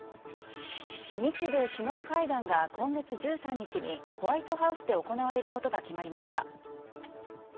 日米首脳会談が今月１３日にホワイトハウスで行われることが決まりました。